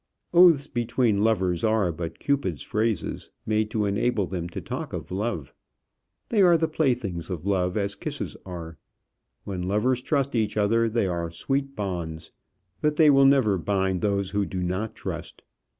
Oaths between lovers are but Cupid's phrases, made to enable them to talk of love. They are the playthings of love, as kisses are. When lovers trust each other they are sweet bonds; but they will never bind those who do not trust.